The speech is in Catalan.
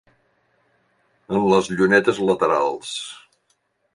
En les llunetes laterals.